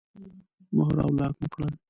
مهر او لاک مو کړل.